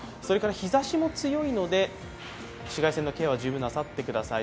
日ざしも強いので、紫外線のケアは十分なさってください。